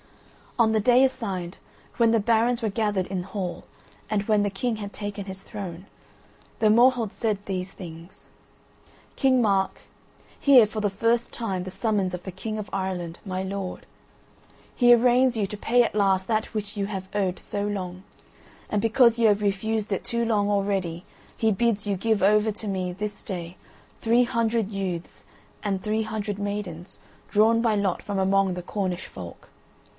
On the day assigned, when the barons were gathered in hall, and when the King had taken his throne, the Morholt said these things: "King Mark, hear for the last time the summons of the King of Ireland, my lord. He arraigns you to pay at last that which you have owed so long, and because you have refused it too long already he bids you give over to me this day three hundred youths and three hundred maidens drawn by lot from among the Cornish folk.